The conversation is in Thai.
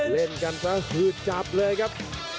เล่นกันก็คือจับเลยครับ